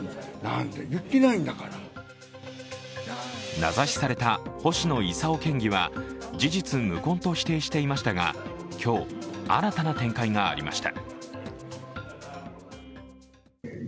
名指しされた星野伊佐夫県議は事実無根と否定していましたが今日、新たな展開がありました。